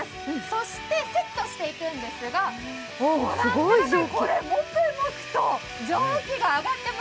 そして、セットしていくんですがご覧ください